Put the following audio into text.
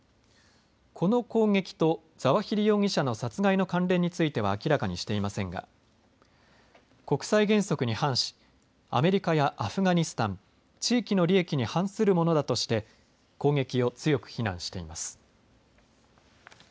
この攻撃とザワヒリ容疑者の殺害の関連については明らかにしていませんが国際原則に反しアメリカやアフガニスタン地域の利益に反するものだとして攻撃を強く非難しています。